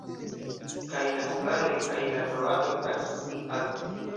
Kaj la hungaroj, kaj la kroatoj taksas lin alte.